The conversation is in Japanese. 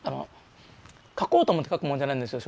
書こうと思って書くもんじゃないんですよ